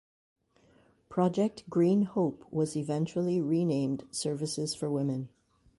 Project Green Hope was eventually renamed Services for Women.